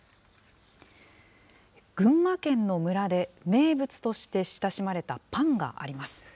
群馬県の村で名物として親しまれたパンがあります。